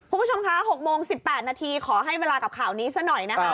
คุณผู้ชมคะ๖โมง๑๘นาทีขอให้เวลากับข่าวนี้ซะหน่อยนะคะ